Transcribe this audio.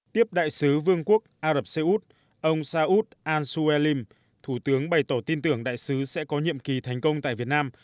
tiếp đại sứ vương quốc á rập xê út ông saút ansuelim thủ tướng bày tỏ tin tưởng đại sứ sẽ có nhiệm kỳ thành công tại việt nam